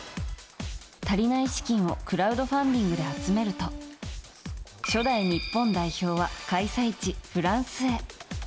足りない資金をクラウドファンディングで集めると初代日本代表は開催地フランスへ。